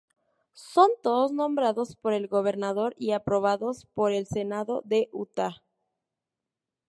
Son todos nombrados por el gobernador y aprobados por el Senado de Utah.